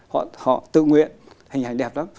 họ tự nguyện hình ảnh đẹp lắm